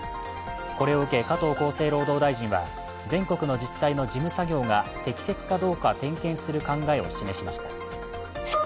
これを受け加藤厚生労働大臣は全国の自治体の事務作業が適切かどうか点検する考えを示しました。